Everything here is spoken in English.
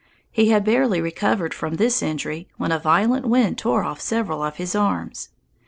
He had barely recovered from this injury when a violent wind tore off several of his arms.